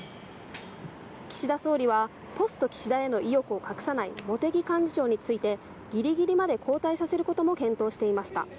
岸田総理は、ポスト岸田への意欲を隠さない茂木幹事長について、ぎりぎりまで交代させることも検討していました。